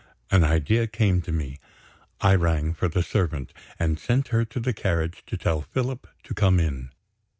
An idea came to me. I rang for the servant, and sent her to the carriage to tell Philip to come in.